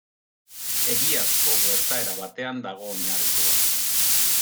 Egiazko gertaera batean dago oinarritua.